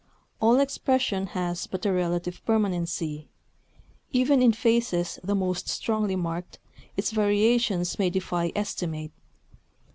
All expression has but a relative permanency: even in faces the most strongly marked, its variations may defy estimate.